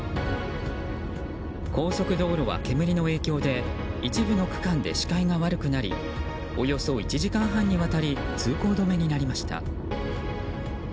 高速道路は煙の影響で一部の区間で視界が悪くなりおよそ１時間半にわたり通行止めになりました。